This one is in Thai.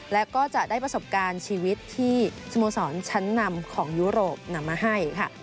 และก็จะได้ประสบการณ์ชีวิตที่สโมสรชั้นนำของยุโรปนำมาให้ค่ะ